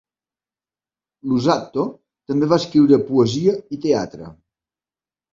Luzzatto també va escriure poesia i teatre.